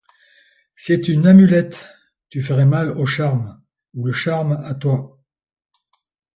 C'est une amulette; tu ferais mal au charme, ou le charme à toi.